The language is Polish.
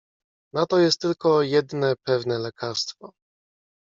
"Na to jest tylko jedne pewne lekarstwo."